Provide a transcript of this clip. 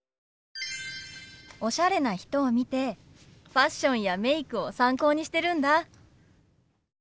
おしゃれな人を見てファッションやメイクを参考にしてるんだ。